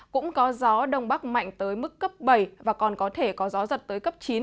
cũng có gió đông bắc mạnh tới mức cấp bảy và còn có thể có gió giật tới cấp chín